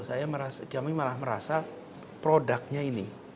saya merasa kami malah merasa produknya ini